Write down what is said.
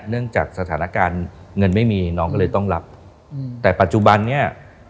เนื่องจากสถานการณ์เงินไม่มีน้องก็เลยต้องรับอืมแต่ปัจจุบันเนี้ย